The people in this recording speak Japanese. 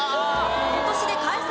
今年で開催